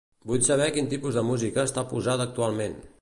Vull saber quin tipus de música està posada actualment.